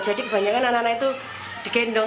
jadi kebanyakan anak anak itu digendong